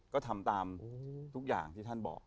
ก็ทำตามทุกอย่างที่ท่านบอก